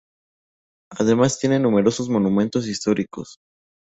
Además tiene numerosos monumentos históricos.